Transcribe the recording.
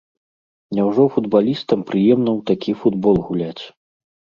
Няўжо футбалістам прыемна ў такі футбол гуляць.